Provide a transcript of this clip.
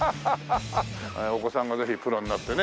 お子さんがぜひプロになってね。